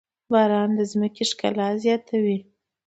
باران د ځمکې ښکلا زياتوي.